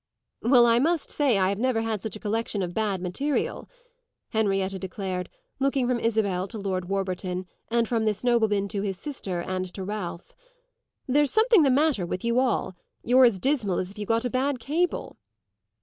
"Well, I must say I never have had such a collection of bad material!" Henrietta declared, looking from Isabel to Lord Warburton and from this nobleman to his sister and to Ralph. "There's something the matter with you all; you're as dismal as if you had got a bad cable."